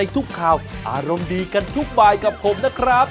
สวัสดีครับ